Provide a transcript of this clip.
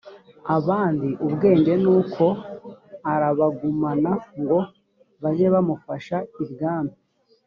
abandi ubwenge nuko arabagumana ngo bajye bamufasha ibwami